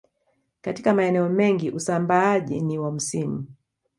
Katika maeneo mengi usambaaji ni wa msimu